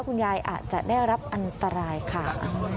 คุณยายอาจจะได้รับอันตรายค่ะ